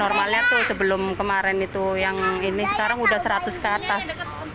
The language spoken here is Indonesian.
sembilan puluh normalnya itu sebelum kemarin itu yang ini sekarang sudah seratus ke atas